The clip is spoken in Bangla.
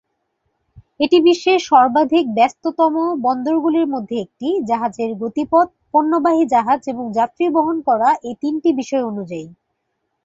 এটি বিশ্বের সর্বাধিক ব্যস্ততম বন্দরগুলির মধ্যে একটি, জাহাজের গতিপথ, পণ্যবাহী জাহাজ এবং যাত্রী বহন করা এই তিনটি বিষয়য় অনুযায়ী।